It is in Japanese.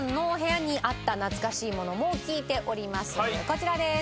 こちらです！